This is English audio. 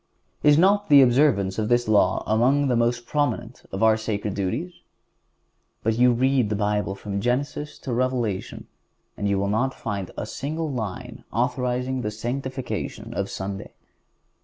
Is not the observance of this law among the most prominent of our sacred duties? But you may read the Bible from Genesis to Revelation, and you will not find a single line authorizing the sanctification of Sunday.